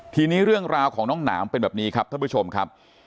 ทีนี้เรื่องราวของน้องหนามเป็นแบบนี้ครับท่านผู้ชมครับ